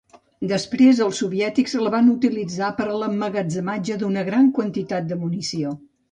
Després, els soviètics la van utilitzar per a l'emmagatzematge d'una gran quantitat de munició.